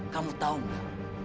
kamu tahu gak